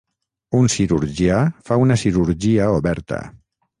Un cirurgià fa una cirurgia oberta.